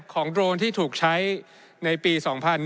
๔๘ของโดรนที่ถูกใช้ในปี๒๐๐๑๒๐๑๔